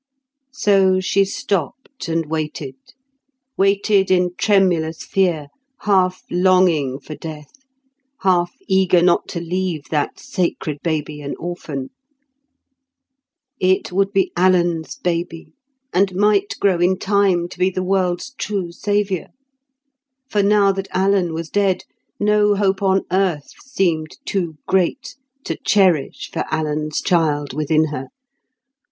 So she stopped and waited; waited in tremulous fear, half longing for death, half eager not to leave that sacred baby an orphan. It would be Alan's baby, and might grow in time to be the world's true saviour. For, now that Alan was dead, no hope on earth seemed too great to cherish for Alan's child within her.